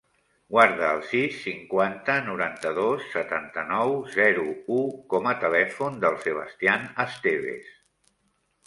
Guarda el sis, cinquanta, noranta-dos, setanta-nou, zero, u com a telèfon del Sebastian Esteves.